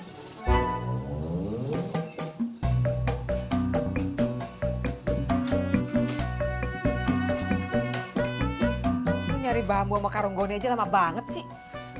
kamu nyari bambu sama karong goni aja lama banget sih